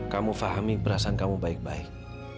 kamu fahami perasaan kamu baik baik